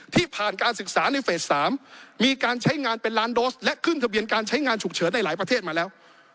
ที่ผ่านการศึกษาในเฟส๓มีการใช้งานเป็นล้านโดสและขึ้นทะเบียนการใช้งานฉุกเฉินในหลายประเทศมาแล้ว